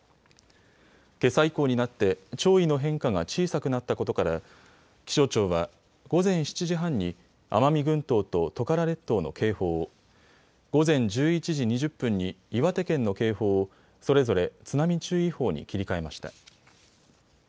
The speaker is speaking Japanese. けさ以降になって潮位の変化が小さくなったことから気象庁は午前７時半に奄美群島とトカラ列島の警報を、午前１１時２０分に岩手県の警報をそれぞれ津波注意報に切り替えました。